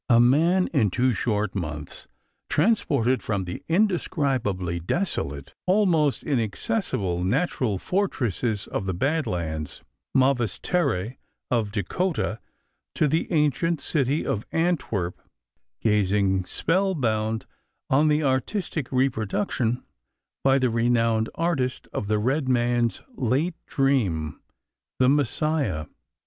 A man in two short months transported from the indescribably desolate, almost inaccessible natural fortresses of the Bad Lands (Mauvaise Terre) of Dakota to the ancient city of Antwerp, gazing spellbound on the artistic reproduction by the renowned artist of the red man's late dream, "The Messiah."